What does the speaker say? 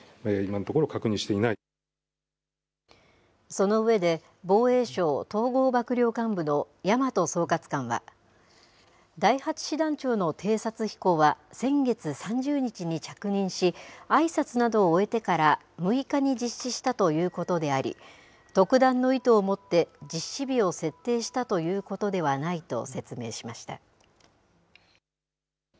その上で、防衛省統合幕僚監部の大和総括官は、第８師団長の偵察飛行は先月３０日に着任し、あいさつなどを終えてから、６日に実施したということであり、特段の意図を持って実施日を設定したということではないと説明しました。